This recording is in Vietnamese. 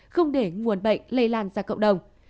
không để nguồn bệnh lây lan ra cộng đồng